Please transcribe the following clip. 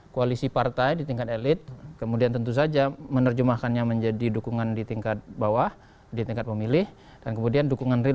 koalisi partai di tingkat elit kemudian tentu saja menerjemahkannya menjadi dukungan di tingkat bawah di tingkat pemilih dan kemudian dukungan real